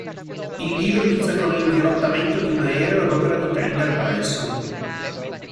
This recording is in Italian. Il libro inizia con il dirottamento di un aereo ad opera di Tender Branson.